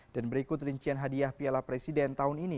dan berikut rincian hadiah piala presiden tahun ini